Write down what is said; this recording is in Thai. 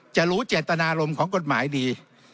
จะรู้เจตนารมณ์ของกฎหมายดี